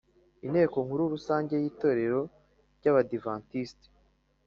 inteko nkuru rusange yitorero ryabadiventisite